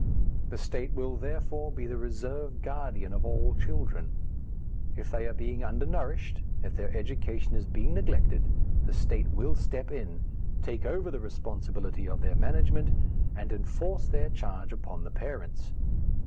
The State will, therefore, be the reserve guardian of all children. If they are being undernourished, if their education is being neglected, the State will step in, take over the responsibility of their management, and enforce their charge upon the parents.